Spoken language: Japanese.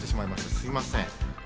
すみません。